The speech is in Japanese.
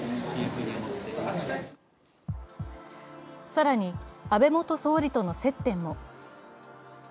更に安倍元総理との接点も。